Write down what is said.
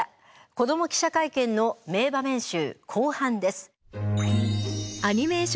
「子ども記者会見」の名場面集後半です。